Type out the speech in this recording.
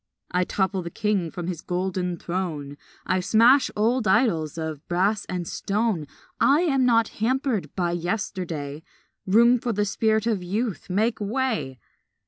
I topple the king from his golden throne, I smash old idols of brass and stone, I am not hampered by yesterday. Room for the spirit of Youth; make way!